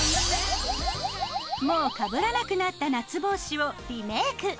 もうかぶらなくなった夏帽子をリメイク！